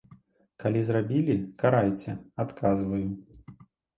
Калі зрабілі, карайце, адказваю.